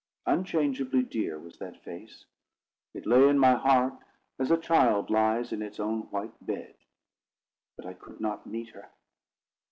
Unchangeably dear was that face. It lay in my heart as a child lies in its own white bed; but I could not meet her.